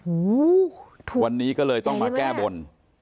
หูวันนี้ก็เลยต้องมาแก้บน